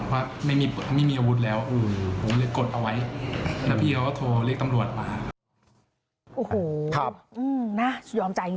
ว่าไม่มีอาวุธแล้วผมเลยกดเอาไว้